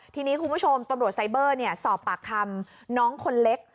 ทีนี้คุณผู้ชมตำรวจไซเบอร์สอบปากคำน้องคนเล็ก